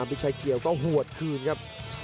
บิ๊กชัยเกี่ยวก็หวดคืนครับ